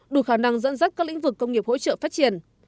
đủ khả năng dẫn dắt các lĩnh vực công nghiệp hỗ trợ phát triển